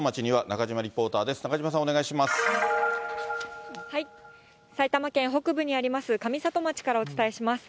中島さん、埼玉県北部にあります、上里町からお伝えします。